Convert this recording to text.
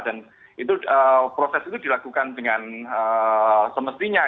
dan proses itu dilakukan dengan semestinya